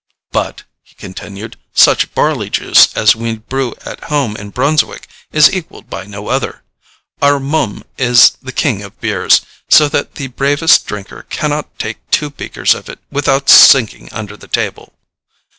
"But," he continued, "such barley juice as we brew at home in Brunswick is equalled by no other. Our Mumme is the king of beers, so that the bravest drinker cannot take two beakers of it without sinking under the table."